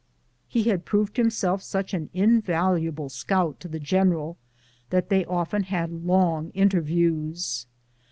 He had proved himself such an invaluable scout to the general that they often had long interviews.